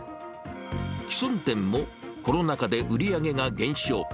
既存店もコロナ禍で売り上げが減少。